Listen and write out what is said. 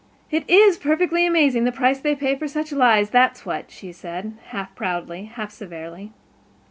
"It is perfectly amazing, the price they pay for such lies, that's what," she said, half proudly, half severely.